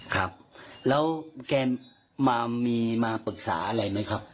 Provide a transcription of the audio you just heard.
ครับแล้วแกมามีมาปรึกษาอะไรไหมครับ